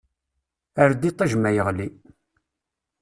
Err-d iṭij ma yeɣli!